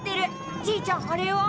じいちゃんあれは？